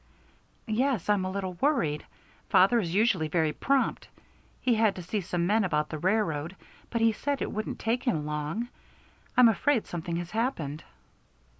"Yes, I'm a little worried. Father is usually very prompt. He had to see some men about the railroad, but he said it wouldn't take him long. I'm afraid something has happened."